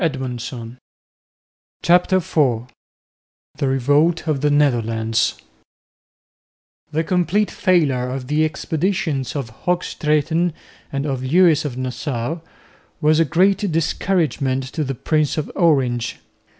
CHAPTER IV THE REVOLT OF THE NETHERLANDS The complete failure of the expeditions of Hoogstraeten and of Lewis of Nassau was a great discouragement to the Prince of Orange.